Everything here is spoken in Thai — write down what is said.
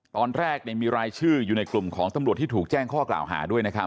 ตอนแรกมีรายชื่ออยู่ในกลุ่มของตำรวจที่ถูกแจ้งข้อกล่าวหาด้วยนะครับ